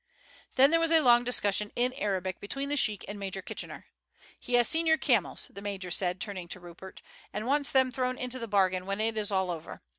Then there was a long discussion in Arabic between the sheik and Major Kitchener. "He has seen your camels," the major said turning to Rupert, "and wants them thrown into the bargain when it is all over.